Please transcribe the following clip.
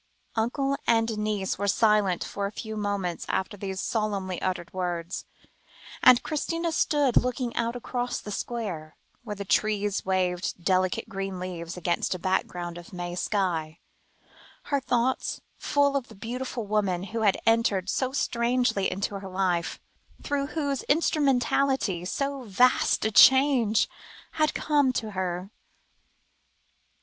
Uncle and niece were silent for a few moments after those solemnly uttered words, and Christina stood looking out across the square, where the trees waved delicate green leaves against a background of May sky, her thoughts full of the beautiful woman who had entered so strangely into her life, through whose instrumentality so vast a change had come to her.